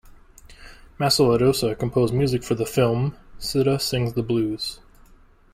Masaladosa composed music for the film "Sita Sings the Blues".